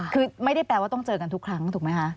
คือไม่ได้แปลว่าต้องเจอกันทุกครั้งถูกไหมคะ